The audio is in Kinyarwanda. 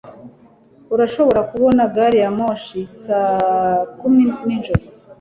Urashobora kubona gari ya moshi saa icumi nijoro